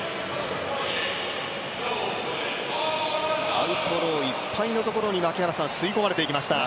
アウトローいっぱいのところに吸い込まれていきました。